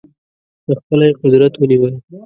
په خپله یې قدرت ونیوی.